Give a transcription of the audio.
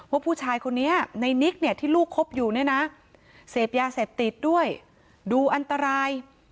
ว่าผู้ชายคนนี้ในนิกเนี่ยที่ลูกคบอยู่เนี่ยนะเสพยาเสพติดด้วยดูอันตราย